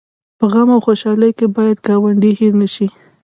په غم او خوشحالۍ کې باید ګاونډی هېر نه شي